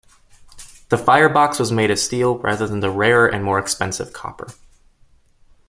The firebox was made of steel rather than the rarer and more expensive copper.